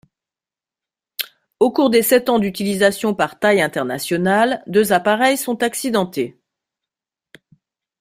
Au cours des sept ans d'utilisation par Thai International, deux appareils sont accidentés.